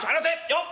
よっ。